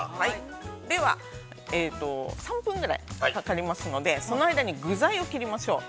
では、３分ぐらい計りますので、その間に具材を切りましょう。